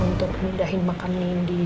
untuk memindahin makan mendi